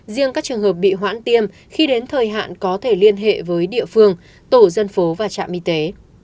riêng các trường hợp bị hoãn tiêm khi đến thời hạn có thể liên hệ với địa phương tổ dân phố và trạm y tế